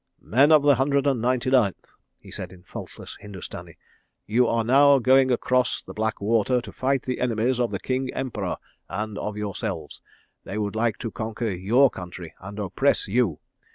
"Men of the Hundred and Ninety Ninth," said he in faultless Hindustani, "you are now going across the Black Water to fight the enemies of the King Emperor, and of yourselves. They would like to conquer your country and oppress you.